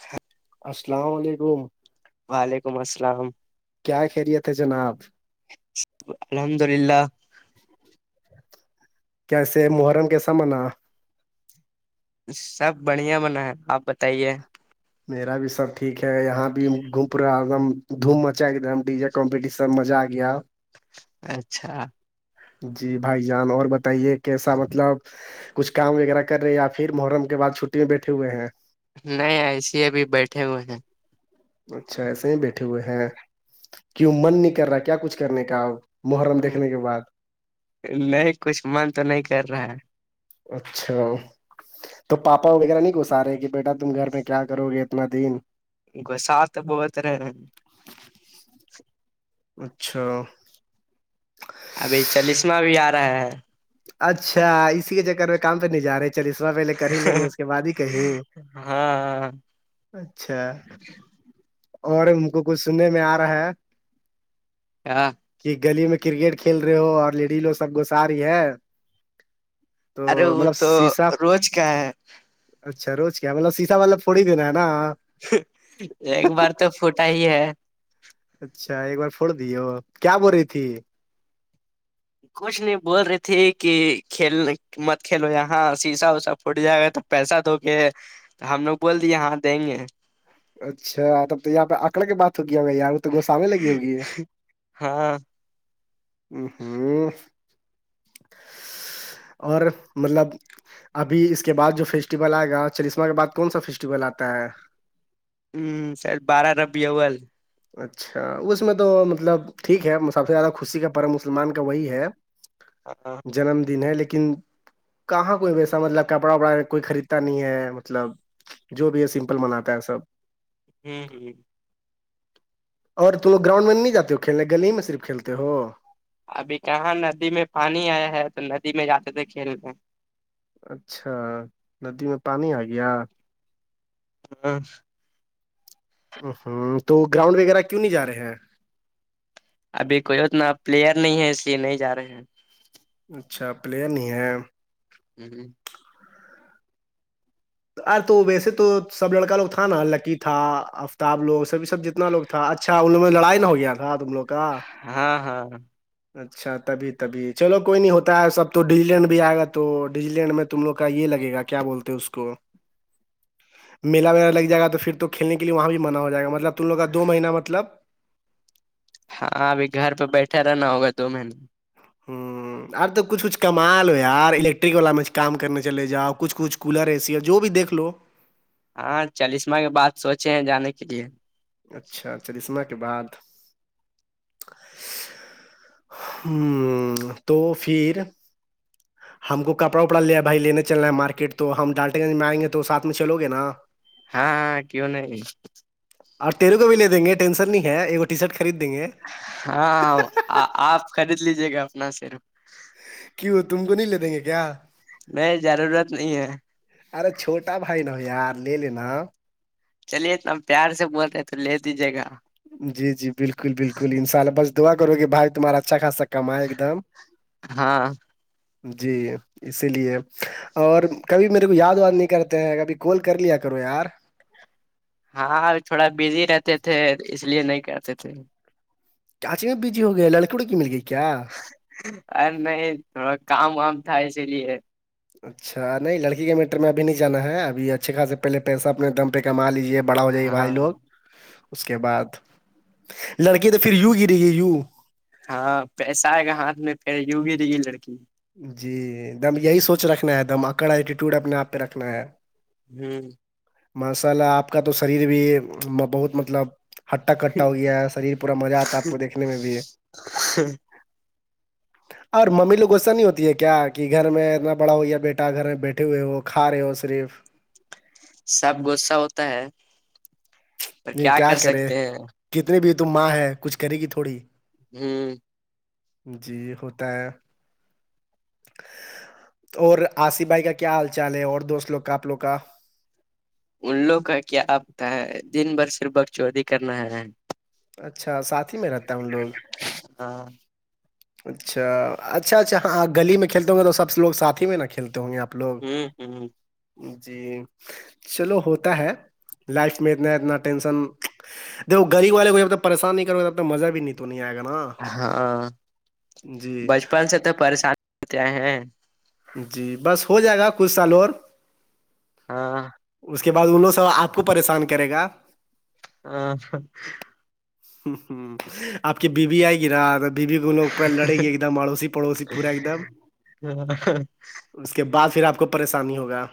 ہ السلام علیکم وعلیکم السلام کیا خرییتے جناب الحمد للہ کیاسے محرم کیسا منع سب بڑھیا بنا ہے آپ بتائیے میرا بھی سب ٹھیک ہے یہاں بھی گھوم پا ایک دم دھوم مچا ایک دم ڈیجٹ کمپٹیشن مزہ آ گیا اچھا جی بھائی جان اور بتائیے کیسا مطلب کچھ کام وغیرہ کرے یا پھر محرم کےعد چھٹی میں بیٹھے ہوئے ہیں نہیں ایسے ہی ابھی بیٹھے ہوئے ہیں اچھا ایسے ہی بیٹھے ہوئے ہیں کیوں من نہیں کر رہا کیا کچھ کرنے کا محرم ہیں دیکھنے کے بعد نہیں کچھ من تو نہیں کر رہا ہے اچھا تو پاپا وغیرہ نہیں گسا رہے کہ بیٹا تم گھر میں کیا کرو گے اتنا دن ساتات بوت رہ ہے اچھا ابھی چالسما بھی آ رہا ہے اچھا اسی کے چکر میں کام تو نہیں جا رہے تھ چلرا پہلے کر ہی لیں گے اس کے بعد ہی کہیں ہاں اچھا اور ان کو کچھ سننے میں آ رہا ہے کیا کہ گلی میں کرکٹ کھیل رہے ہو اور لیڈی لو سب گو ساری ہے تو ارے وہ مطلب تو شیشا روز کیا ہے اچھا روز کیا مطلب سیشا والطب تھوڑی دینا ہے نا ایک بار تو فوٹا ہی ہے اچھا ایک بار پھوڑ دی ہو کیا بول رہی تھی کچھ نہیں بول رہی تھی کہ کھیل مت کھیلو یہاں شیسہ اسا پھوٹ جائے گا تو پیسہ دو گ ہم لوگ بول دیے ہاں دیں گے اچھا تب تو یہاں پہ آنکڑے کے بات ہو گیا ہوگا یار تو گوسو میں لگی ہوگی یہ ہاں ہوں پوو اور مطلب ابھی اس کے بعد جو فیسٹیول آئے‌ گا چریسمہ کے بعد کون سا فیسٹیول آتا ہے ہوں شاید بارہ ربیع الاول اچھا اس میں تو مطلب ٹھیک ہے سب سے زیادہ خوشی کا پرم مسلمان کا وہی ہے ہاں جنم دن ہے لیکن کہاں کوئی ویسا مطلب کپڑا وپڑا کوئی خریدتا نہیں ہے مطلب جو بھی ہے سمپل مناتا ہے سب ہوں اور تمو گراؤنڈ میں نہیں جاتے ہو کھیلنے گلی ہی میں صرف کھیلتے ہو ابھی کہاں ندی میں پانی آیا ہے تو ندی میں جاتے تھے کھیلنے اچھا ندی میں پانی آ گیا ہاں ہوں تو گراؤنڈ وغیرہ کیوں نہیں جا رہے ہیں ابھی کوئی اتنا پلیئر نہیں ہے اس لیے نہیں جا رہے ہیں اچھا پلیر نہیں ہے [inaudible] اے تو ویسے تو سب لڑکا لوگ تھا نا لکی تھا افتاب لوگ سبھی سب جتنا لوگ تھا اچھا ان لوگ میں لڑائی نہ ہو گیا تھا تم لوگ کا ہاں ہاں اچھا تبھی تبھی چلو کوئی نہیں ہوتا ہے سب تو ڈیزی لینڈ بھی آئے گا تو ڈیوزی لینڈ میں تم لوگ کا یہ لگے گا کیا بولتے ہیں اس کو [inaudible] میلا وغیرہ لگ جائے گا تو پھر تو کھیل کے لیے وہاں بھی منع ہو جائے گا مطلب تم لوگ کا دو مہینہ مطلب ہاں ابھی گھر پہ بیٹھے رہنا ہوگا دو مہینے ہوں اب تو کچھ کچھ کما لو یار الیکٹرک والا میں کام کرنے چلے جاؤ کچھ کچھ کولر ایے سی جو بھی دیکھ لو ہاں چالیسما کے بات سوچے ہیں جانے کے لیے اچھا چرسمہ کے بعد [inaudible] ہوں تو پھر [inaudible] ہم کو کپڑا وپڑا لیا بھائی لینے چلنا ہے مارکیٹ تو ہم ڈالٹے گنج میں آئیں گے تو ساتھ میں چلو گے نا ہاں کیوں نہیں اور تیرو کو بھی لے دے گے ٹینشن نہیں ہے ایک ٹی شرٹ خرید دیں گے ہاںں آپ خرید لیجے گا اپنا سرف کیوں تم کو نہیں لے دیں گے کیا نہیں ضرورت نہیں ہے ارے چھوٹا بھائی نہ ہو یار لے لینا چلیے اتنا پیار سے بول رہے تو لے دیجیے گا جی جی بالکل بالکل انشاء اللہ بس دعا کروے بھائی تمہارا اچھا خاصا کمائے ایک دم ہاں جی اسی لیے اور کبھی میرے کو یاد واد نہیں کرتے ہیں کبھی کال کر لیا کرو یار ہاں تھوڑا بزی رہتے تھے اس لیے نہیں کرتے تھے چانچی میں بجی ہو گئی لڑکی وڑکی مل گئی کیا ارے نہیں تھوڑا کام وام تھا‌ اسے لیے اچھا نہیں لڑکی کے میٹر میں ابھی نہیں جانا ہے ابھی اچھے خاص پہلے پیسہ اپنے دم پہ کما لجیے بڑا ہو جائے گے بھائی ہاں لوگ اس کے بعد لڑکی تو پھر یو گری گے یو ہاں پیسہ آئے گا ہاتھ میں پھر یوں گری گے لڑکی جی دم یہی سوچ رکھنا ہے دم اکڑ ایٹیٹیوڈ اپنے آپ پہ رکھنا ہے ہوں ماشاء آپ کا تو شریر بھی بہت مطلب ہٹا کٹا ہو گیا ہے شریر پورا مزہ آتا ہے آپ کو دیکھنے میں بھی اور ممی لوگوں سے ایسا نہیں ہوتی ہے کیا کہ گھر میں اتنا بڑا ہو یا بیٹا گھر میں بیٹھے ہوئے ہو کھا رہے ہو صرف سب غصہ ہوتا ہے پر نہیں کیا کر کرے سکتے ہیں کتنی بھی تم ماں ہے کچھ کرے گی تھوڑی ہی جی ہوتا ہے تو اور آصف بھائی کا کیا حال چال ہے اور دوست لوگ کا آپ لوگ کا ان لوگ کا کیا آپتا ہے دن بھر صر بخ چوودی کرنا ہے اچھا ساتھ ہی میں رہتا ہے ان لوگ ہاں اچھا اچھا اچھا ہاں گلی میں کھیلتے ہ گے تو سب لوگ ساتھی ہی میںا کھیلتے ہوں گے آپ لوگ ہوں جی چلو ہوتا ہے لائف میں اتنا اتنا ٹینشن دیکو گغریب والے کو جب ت پریشان نہیں کروں گے تب تو مزہ بھی نہیں تو نہیں آئےا نا ہاں جی بچپن سے تو پریشانی ہوتے ہیں جی بس ہو جائے گا کچھ سال اور ہاں اس کے بعد ان لوں سب آپ کو پریشان کرے گا ہاں آپ کی بیوی آئے ناب بیوی کوو پہ لڑے گی ایک دم اڑوسی پڑوسی پورا ایک دم ہ [inaudible] اس کے بعد پھر آپ کو پریشانی ہوگا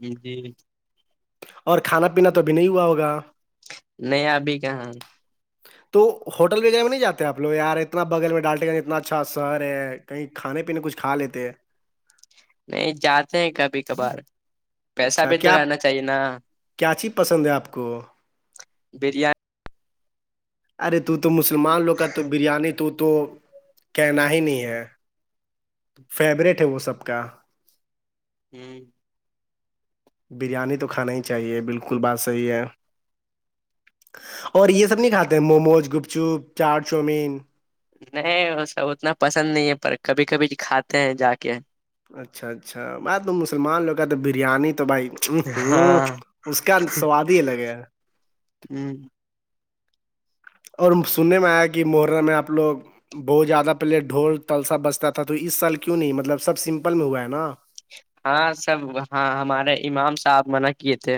جی اور کھانا پینا تو بھی نہیں ہوا ہوگا ابھی کہاں تو ہوٹل وغیرہ میں نہیں جاتے آ لوگ یار اتنا بغل میں ڈالٹ گ اتنا اچھا سر ہے کہیں کھانے پہ اپ کچھ کھا لیتے ہیں نہیں جاتے ہیں کبھی کبھار پیسہ اچھا بھی تو کیا رہنا چاہیے نا کیا چیز پسند ہے آپ کو بریانی ارے تو تو مسلمان لوگ کا تو بریانی تو تو کہنا ہی نہیں ہے فیورورٹ ہے وہ سب کا ہی بریانی تو کھانا ہی چاہیے بالکل بات صحیح ہے اور یہ سب نہیں کھاتے ہیں موموز گپ چپ چاٹ چاؤومین نہیں وہ سب اتنا پسند نہیں ہے پر کبھی کبھی کھاتے ہیں جا کے اچھا اچھا بات تو مسلمان لوگ کا تو بریانی تو بھائی ہوں ہاں اس کا سواد ہی الگ ہے ہوں اور سننے میں آیا کہ محرہ میں آپ لوگ بہت زیادہ پہلے ڈھول تل سا بستا تھا تو اس سال کیوں نہیں مطلب سب سمپل میں ہوا ہے نا ہاں سب ہاں ہمارے امام صاحب منع کیے تھے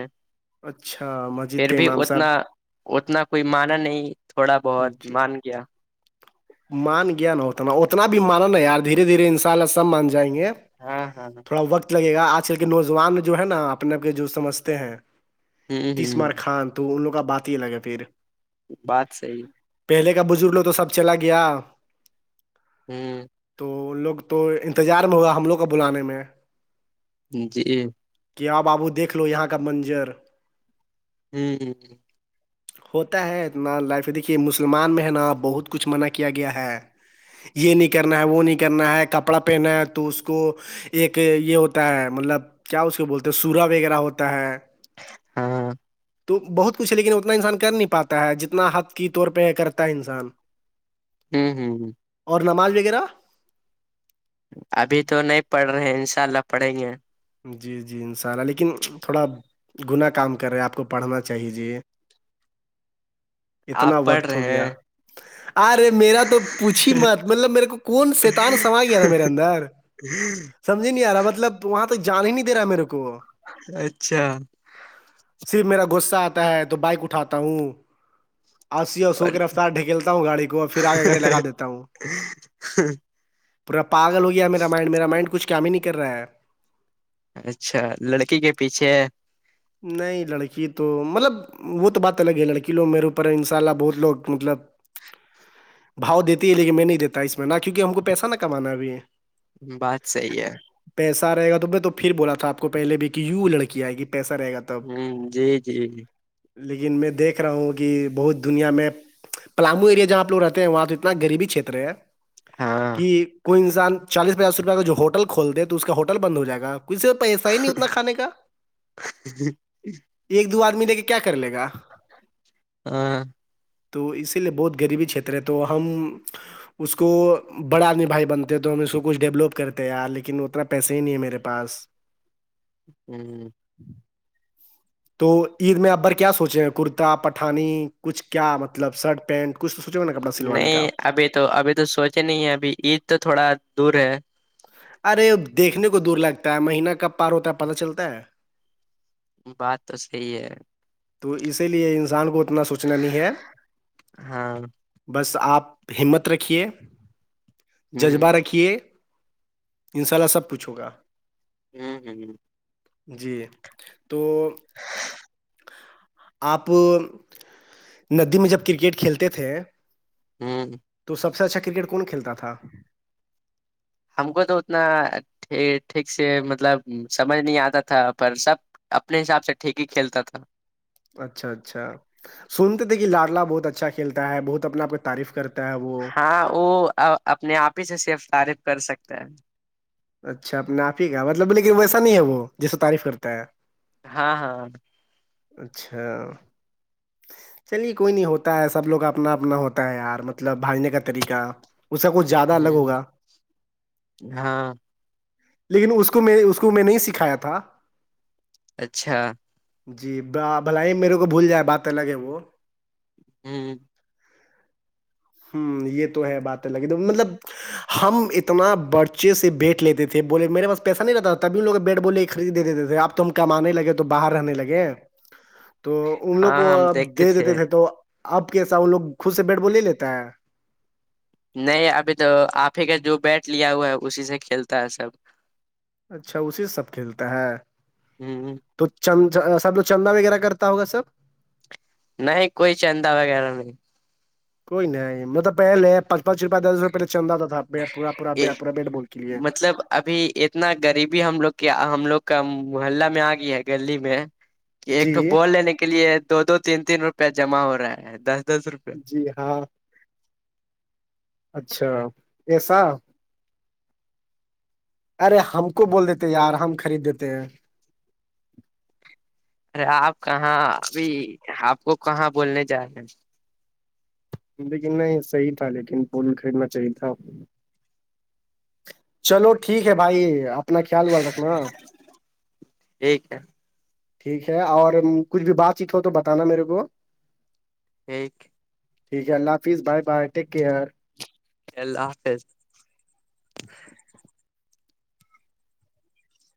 اچھا مسجد پھر کے بھی امام صاحب اتنا اتنا کوئی مانا نہیں تھوڑا بہت جی مان گیا مان گیا نا اتنا اتنا بھی مانا ن نہیں یار دھیرے دھیرے ان شاء اللہ سب مان جائیں گے ہاں ہاں ہاں تھوڑا وقت لگے گا آج کل کے نوجوان جو ہے نا اپنے آپ کے جو سمجھتے ہیں ہوں ہوں تسمار خان تو ان لوگ کا بات ہی لگا پھر بات صحی پہلے کا بزرگ لو تو سب چلا گیا ہی [inaudible] تو لوگ تو انتظار میں ہوگا ہم لوگ کو بلانے میں جی کہ آاں آابو دھ لو یہاں کا منجر [unintelligible] ہوں ہوتا ہے اتنا لائف د [inaudible] یہ مسلمان میں نا بہت کچھ منع کیا گیا ہے یہ نہیں کرنا ہے وہ نہیں کرنا ہے کپڑا پہنا ہے تو اس کو ایک یہ ہوتا ہے مطلب کیا اس کے بولتے سورا وغیرہ ہوتا ہے ہاں تو بہت کچھ ہے لیکن اتنا انسان کر نہیں پاتا ہے جتنا ہ کی طور پہ کرتا ہے انسان ہوں ہوں اور نماز وغیرہ ابھی تو نہیں پڑھ رہے ہیں ان شاء اللہ پڑھیں گے جی جی ان شاء اللہ لیکن تھوڑا گناہ کام کر رہے ہے آپ کو پڑھنا چاہی جے آپ پڑھ وقت ہو رہے گیا ارے میرا تو پوچھ ہی مت مطلب میرے کو کون شیتان سوا گیا نا میرے اندر ہوں [inaudible] سمجھی نہیں آ رہا مطلب وہاں تک جان ہی نہیں دے رہا میرے کو اچھا صرف میرا غصہ آتا ہے تو بائک اٹھاتا ہوں آسی اور سو کے رفتار ڈھھیکیلتا ہوں گاڑی کو پھر آ کے گھرے لگا دیتا ہوں پورا پاگل ہو گیا میرا مائنڈ میرا مائنڈ کچھ کام ہی نہیں کر رہا ہے اچھا لڑکی کے پیچھے نہیں لڑکی تو مطلب وہ تو بات الگ ہے لڑکی لوگ میرےوپر ان شاء اللہ بہت لوگ مطلب بھا دیتی ہے لیکن میں نہیں دیتا اس میں نہ کیونکہ ہم کو پیسہ نہ کمانا اب ہے بات صحی ہے پیسہ رہےا تو میں تو پھر بولا تھا آپ کو پہے بھی کہ یو لڑکی آئے گ پیسہ رہے گا تو ہوں جی جی جی لیکن میں دیکھ رہا ہوں کہ بہت دنیا میں پلامو ایریا جہاںپ لو رہتے ہیں وہاں تو اتنا غریبی چھیتر ہے ہاں کہ کوئی انسان چالیس پچاس روپئے کا جو ہوٹل کھول د تو اس کا ہوٹل بند ہو جائے گا کچھ سے تو پ ایسہ ہی نہیں اتنا کھانے کا [inaudible] [inaudible] ایک دو آدمی دے کے کیا کر لے گا ہاں تو اسی لیے بہت غریبی چھیتر ہے تو ہم اس کو بڑا آدمی بھائی بنتے ہیں تو ہم اس کو کچھ ڈیولپ کرتے یار لیکن اتنا پیسے ہی نہیں ہے میرے پاس ہوں [inaudible] ہی [inaudible] تو عید میں اکبر کیا سوچے ہیں کرتا پٹھانی کچھ کیا مطلب شرٹ پینٹ کچھ تو سوچے ہو نا کپڑا سلوانے نہیں کا ابھی تو ابھی تو سوچے نہیں ہے ابھی عید تو تھوڑا دور ہے ارے دیکھنے کو دور لگتا ہے مہینہ کب پار ہوتا ہے پتا چلتا ہے بات تو صحی ہے تو اسی لیے انسان کو اتنا سوچنا نہیں ہے ہاں بس آپ ہمت رکھیے جذبہ ہوں رکھیے ان شاء اللہ سب پچھ ہوگا ہوں ہ ہ جی تو آپ ندی میں جب کرکٹ کھیلتے تھے ہوں تو سب سے اچھا کرکٹ کون کھیلتا تھا ہم کو تو اتنا ٹھیک سے مطلب سمجھ نہیں آتا تھا پر سب اپنے حساب سے ٹھیک ہی کھیلتا تھا اچھا اچھا سنتے تھے کہ لاڈلا بہت اچھا کھیلتا ہے بہت اپنے آپ کو تعریف کرتا ہے وہ ہاں وہ اپنے آپ ہی سے سرفطارف کر سکتا ہے اچھا اپنے آپ ہی کا مطلب لیکن ویسا نہیں ہے وہ جسے تعریف کرتا ہے ہاں ہاں اچھا چلیے کوئی نہیں ہوتا ہے سب لوگ اپنا اپنا ہوتا ہے یار مطلب بھاجنے کا طریقہ اس کا کچھ زیادہ الگ ہ ہوگا ہاں لیکن اس کو میں اس کو میں نہیں سکھایا تھا اچھا جی بھلائی میرے کو بھول جائے بات الگ ہے وہ ہوں ہوں یہ تو ہے باتیں لگی تو مطلب ہم اتنا برچے سے بیٹھ لیتے تھے بولے میرے پاس پیسہ نہیں رہتا تھا تبھی ان لوگ بیٹ بولے کے خریدے دیتے تھے ا تو ہم کمانے لگے تو باہر رہنے لگے تو ان لوگ ہاں کو ہم اب دیکھتے دے دیتے تھے تو اب کیسا وہ لوگ خود سے بیٹھ بول لے لیتا ہے نہیں ابھی تو آپ ہی کا جو بیٹ لیا ہوا ہے اسی سے کھیلتا ہے سب اچھا اسی سب کھیلتا ہے ہ تو سب ل چندا وغیرہ کرتا ہوگا سب نہیں کوئی چندہ وغیرہ نہیں کوئی نہیں مطلب پہلے پچ پانچ روپ دس روپئے پہلے چند آ تھا پورا پورا ا بے- پورا بیٹ بال کے لیے مطلب ابھی اتنا غریبی ہم لوگ کے ہم لوگ کا محلہ میں آ گیا ہے گلی میں ایک جی تو بول لینے کے لیے دو دو تین تین روپے جمع ہو رہا ہے دس دس روپے جی ہاں اچھا ایسا ارے ہم کو بول دیتے یار ہم خرید دیتے ہیں ارے آپ کہاں ابھی آپ کو کہاں بولنے جا رہے ہیں لیکن نہیں صحیح تھا لیکن پول خریدنا چاہیے تھا چلو ٹھیک ہے بھائی اپنا خیال ویال رکھنا ٹھیک ہے ٹھیک ہے اور کچھ بھی بات چیت ہو تو بتانا میرے کو ایک ٹھیک ہے اللہ حافظ بائے بائے ٹیک کیئر اللہ حافظ